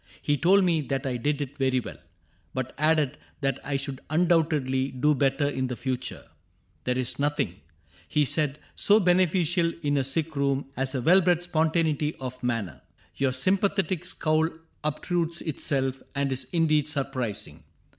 He told me that I did it very well. But added that I should undoubtedly Do better in the future :" There is nothing, He said, ^^ so beneficial in a sick room As a well bred spontaneity of manner. Your sympathetic scowl obtrudes itself. And is indeed surprising.